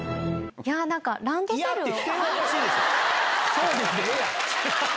「そうです」でええやん！